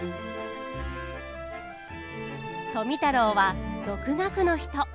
富太郎は独学の人。